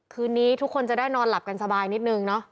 คืนนี้ทุกคนจะได้นอนหลับกันสบายนิดนึงเนาะ